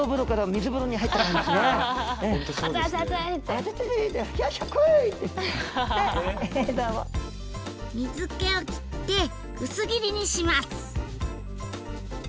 水気を切って薄切りにします。